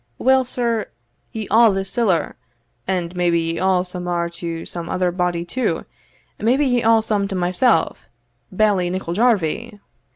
Weel, sir, ye awe this siller and maybe ye awe some mair to some other body too maybe ye awe some to myself, Bailie Nicol Jarvie."